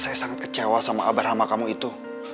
saya sangat kecewa sama abar abar kamu itu